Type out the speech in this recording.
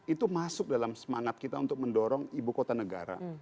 itu masuk dalam semangat kita untuk mendorong ibukota negara